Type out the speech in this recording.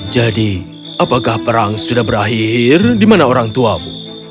jadi apakah perang sudah berakhir di mana orang tuamu